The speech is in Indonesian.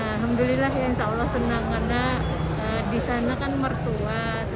alhamdulillah insya allah senang karena disana kan mertua